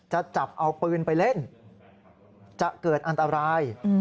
จะจับเอาปืนไปเล่นจะเกิดอันตราย